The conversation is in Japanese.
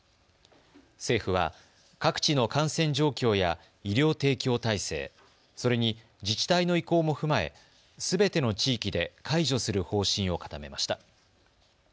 政府は各地の感染状況や医療提供体制、それに自治体の意向も踏まえすべての地域で解除する方針を固めました。